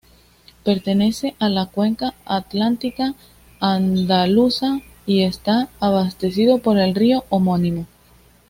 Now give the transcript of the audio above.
Pertenece a la Cuenca Atlántica Andaluza y está abastecido por el río homónimo.